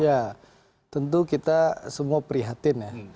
ya tentu kita semua prihatin ya